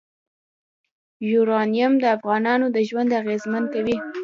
یورانیم د افغانانو ژوند اغېزمن کوي.